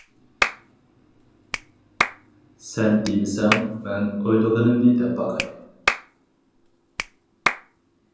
سەن دېمىسەڭ، مەن ئويلىغىنىمنى دەپ باقاي.